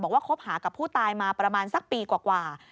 คบหากับผู้ตายมาประมาณสักปีกว่า